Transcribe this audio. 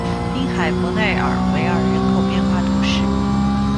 滨海伯内尔维尔人口变化图示